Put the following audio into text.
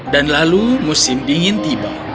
dan lalu musim dingin tiba